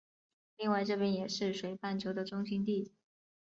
另外这边也是水半球的中心地。